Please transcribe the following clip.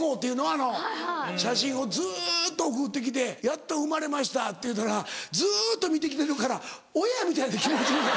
あの写真をずっと送ってきてやっと生まれましたっていうたらずっと見てきてるから親みたいな気持ちに。